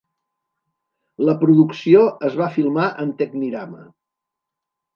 La producció es va filmar en Technirama.